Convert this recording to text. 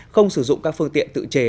không sử dụng các phương tiện tự chế